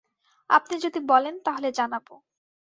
আপনি যদি বলেন তাহলে জানাব।